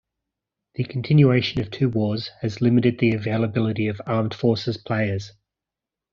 The continuation of two wars has limited the availability of armed forces players.